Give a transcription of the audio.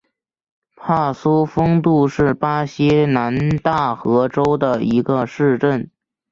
帕苏丰杜是巴西南大河州的一个市镇。